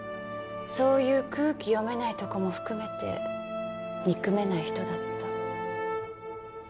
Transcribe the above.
そういう空気読めないとこも含めて憎めない人だった。